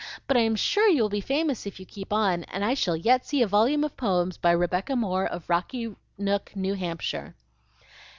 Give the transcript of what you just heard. But I'm sure you will be famous if you keep on, and I shall yet see a volume of poems by Rebecca Moore of Rocky Nook, New Hampshire."